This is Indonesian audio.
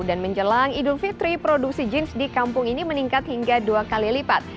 dan menjelang idul fitri produksi jeans di kampung ini meningkat hingga dua kali lipat